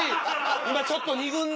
今ちょっと２軍で。